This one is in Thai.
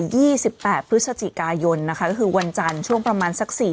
สิบแปดพฤศจิกายนนะคะก็คือวันจันทร์ช่วงประมาณสักสี่